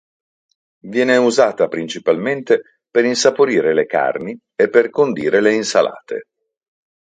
Viene usata principalmente per insaporire le carni e per condire le insalate.